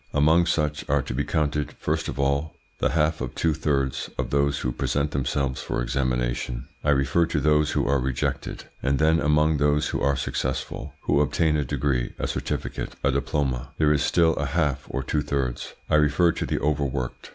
Among such are to be counted, first of all, the half or two thirds of those who present themselves for examination I refer to those who are rejected; and then among those who are successful, who obtain a degree, a certificate, a diploma, there is still a half or two thirds I refer to the overworked.